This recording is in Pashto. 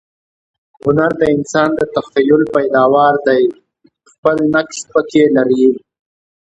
هنر د انسان د تخییل پیداوار دئ. تخییل نقش پکښي لري.